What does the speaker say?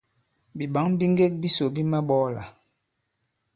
Bìɓǎŋ bi ŋgek bisò bi maɓɔɔlà.